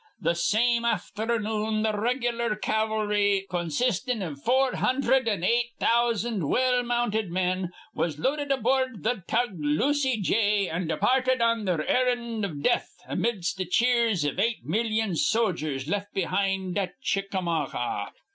Th' same afthernoon th' reg'lar cavalry, con sistin' iv four hundherd an' eight thousan' well mounted men, was loaded aboord th' tug Lucy J., and departed on their earned iv death amidst th' cheers iv eight millyon sojers left behind at Chickamaha.